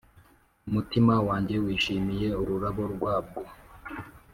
Umutima wanjye wishimiye ururabo rwabwo,